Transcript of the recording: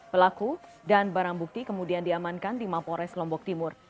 pelaku dan barang bukti kemudian diamankan di mapores lombok timur